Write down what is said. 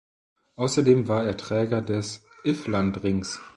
Außerdem war er Träger des Iffland-Rings.